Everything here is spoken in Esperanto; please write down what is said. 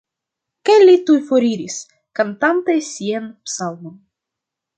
Kaj li tuj foriris, kantante sian psalmon.